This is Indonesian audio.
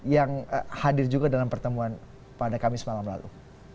yang hadir juga dalam pertemuan pada kami semalam lalu